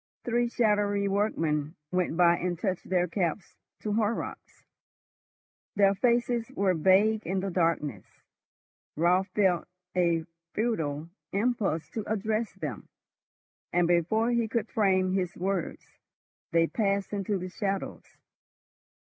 Three shadowy workmen went by and touched their caps to Horrocks. Their faces were vague in the darkness. Raut felt a futile impulse to address them, and before he could frame his words, they passed into the shadows.